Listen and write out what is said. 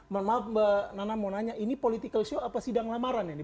mohon maaf mbak nana mau nanya ini political show apa sidang lamaran ini